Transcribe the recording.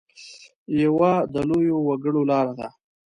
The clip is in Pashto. یوه د لویو وګړو لاره ده.